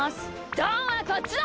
どんはこっちだ！